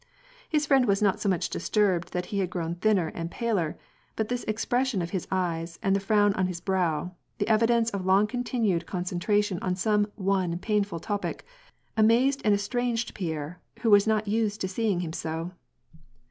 His friend was not so much disturbed that he had grown thinner and paler, but this expression of his eyes and the frown on his brow, the evidence of long continued concentration on some one painful topic, amazed and estranged Pierre, who was not used to see him so.